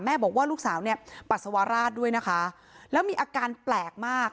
บอกว่าลูกสาวเนี่ยปัสสาวราชด้วยนะคะแล้วมีอาการแปลกมาก